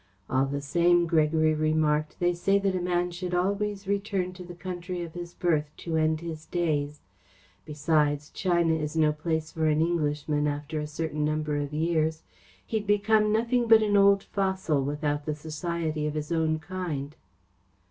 "All the same," Gregory remarked, "they say that a man should always return to the country of his birth to end his days. Besides, China is no place for an Englishman after a certain number of years. He'd become nothing but an old fossil without the society of his own kind."